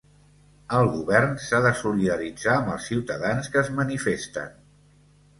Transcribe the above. El govern s'ha de solidaritzar amb els ciutadans que es manifesten.